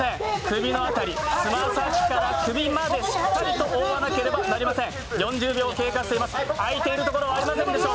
首の辺り、爪先か首までしっかり巻かなければなりません。